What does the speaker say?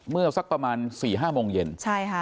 สักประมาณ๔๕โมงเย็นใช่ค่ะ